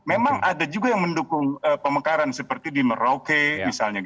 memang ada juga yang mendukung pemekaran seperti di merauke misalnya